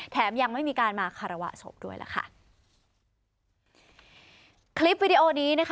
ยังไม่มีการมาคารวะศพด้วยล่ะค่ะคลิปวิดีโอนี้นะคะ